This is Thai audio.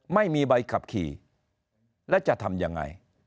ไม่มีใบขับขี่แล้วจะทำยังไง